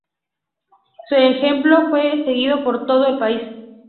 Su ejemplo fue seguido por todo el país.